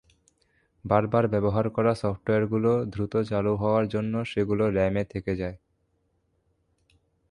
বারবার ব্যবহার করা সফটওয়্যারগুলো দ্রুত চালু হওয়ার জন্য সেগুলো র্যামে থেকে যায়।